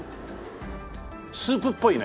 スープっぽいね。